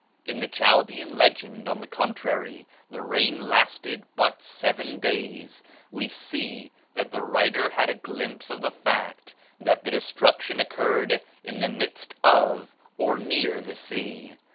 In the Chaldean legend, on the contrary, the rain lasted but seven days; and we see that the writer had a glimpse of the fact that the destruction occurred in the midst of or near the sea.